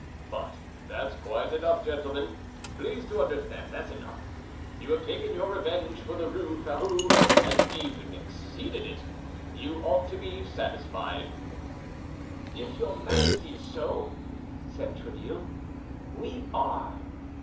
But that's quite enough, gentlemen; please to understand, that's enough. You have taken your revenge for the Rue Férou, and even exceeded it; you ought to be satisfied." "If your Majesty is so," said Tréville, "we are."